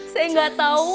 saya gak tau